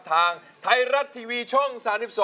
ทางไทยรัฐทีวีช่อง๓๒